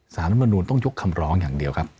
สถานการณ์มันบอกว่าต้องยกคำร้องอย่างเดียวครับ